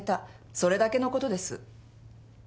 それだけのことです。